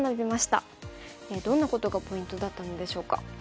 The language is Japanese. どんなことがポイントだったのでしょうか。